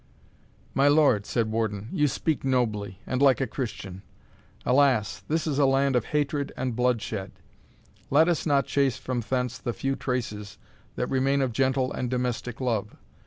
"My lord," said Warden, "you speak nobly, and like a Christian. Alas! this is a land of hatred and bloodshed let us not chase from thence the few traces that remain of gentle and domestic love.